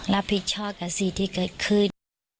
รับผิดชอบกับสิ่งที่เกิดขึ้น